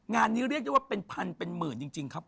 งานนี้เรียกได้ว่าเป็นพันเป็นหมื่นจริงครับ